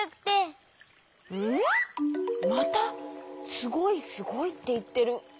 また「すごいすごい」っていってる。